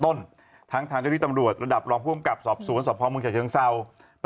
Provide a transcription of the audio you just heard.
ทั้งทางเจ้าหน้าที่ตำรวจระดับรองภูมิกับสอบสวนสอบภาพมืองจักรเชียวทางเศร้า